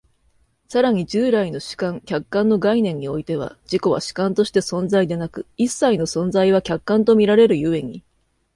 更に従来の主観・客観の概念においては、自己は主観として存在でなく、一切の存在は客観と見られる故に、